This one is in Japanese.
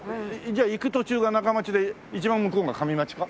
じゃあ行く途中が中町で一番向こうが上町か？